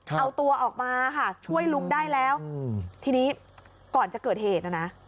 เอาตัวออกมาค่ะช่วยลุงได้แล้วทีนี้ก่อนจะเกิดเหตุนะนะ